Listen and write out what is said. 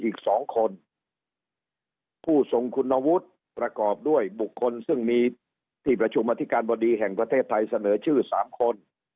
อีก๒คนผู้ทรงคุณวุฒิประกอบด้วยบุคคลซึ่งมีที่ประชุมอธิการบดีแห่งประเทศไทยเสนอชื่อ๓คน